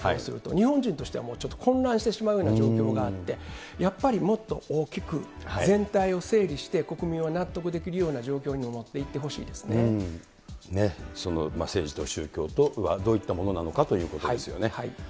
日本人としては、もう、ちょっと混乱してしまうような状況があって、やっぱりもっと大きく、全体を整理して、国民を納得できるような状況に持っていってほし政治と宗教とはどういったものなのかということですよね。